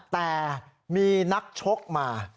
แต่มีนักชกมา